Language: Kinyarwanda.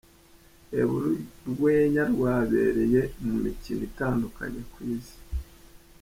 Reba uru rwenya rwabereye mu mikino itandukanye ku isi:.